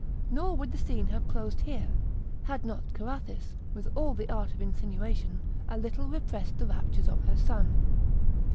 Nor would the scene have closed here, had not Carathis, with all the art of insinuation, a little repressed the raptures of her son.